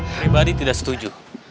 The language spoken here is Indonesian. pribadi tidak setuju